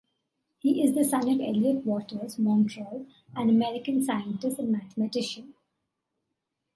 He is the son of Elliott Waters Montroll, an American scientist and mathematician.